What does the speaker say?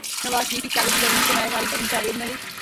نواز شریف کی قیادت میں بیرونی سرمایہ کاری بڑھی جاوید ملک